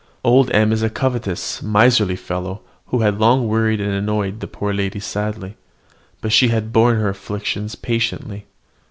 Old M is a covetous, miserly fellow, who has long worried and annoyed the poor lady sadly; but she has borne her afflictions patiently.